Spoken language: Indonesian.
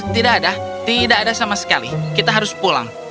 tidak ada tidak ada sama sekali kita harus pulang